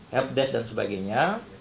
helpdesk dan sebagainya lima jutaan